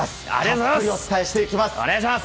たっぷりお伝えしていきます。